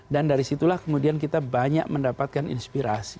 dan dari situlah kemudian kita banyak mendapatkan inspirasi